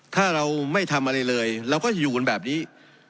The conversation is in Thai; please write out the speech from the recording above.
ถ้าเราไม่ทำอะไรเลยเราก็จะอยู่กันแบบนี้